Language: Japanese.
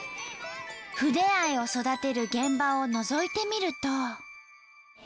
筆愛を育てる現場をのぞいてみると。